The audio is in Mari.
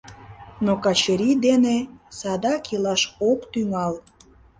Но Качырий дене садак илаш ок тӱҥал.